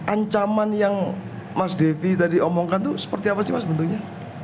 ancaman yang mas devi tadi omongkan itu seperti apa sih mas bentuknya